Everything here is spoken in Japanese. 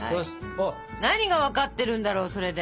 何が分かってるんだろうそれで。